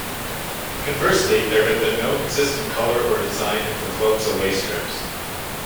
Conversely, there has been no consistent colour or design of the club's away strips.